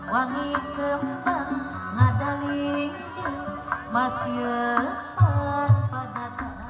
bagi kemampuan nadali masyarakat pada